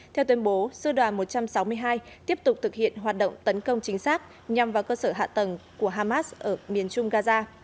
theo tuyên bố sư đoàn một trăm sáu mươi hai tiếp tục thực hiện hoạt động tấn công chính xác nhằm vào cơ sở hạ tầng của hamas ở miền trung gaza